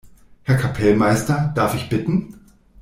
Herr Kapellmeister, darf ich bitten?